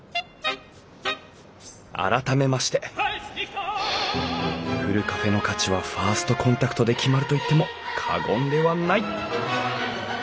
改めましてふるカフェの価値はファーストコンタクトで決まると言っても過言ではない。